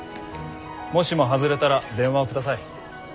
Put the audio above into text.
もしも外れたら電話をください。